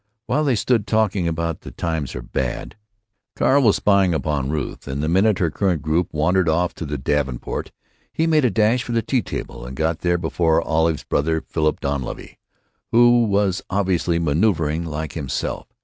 While they stood talking about "the times are bad," Carl was spying upon Ruth, and the minute her current group wandered off to the davenport he made a dash at the tea table and got there before Olive's brother, Philip Dunleavy, who was obviously manœuvering like himself.